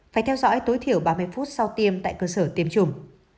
phải theo dõi tối thiểu ba mươi phút sau tiêm tại cơ sở tiêm chủng